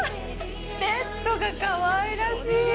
ベッドがかわいらしい！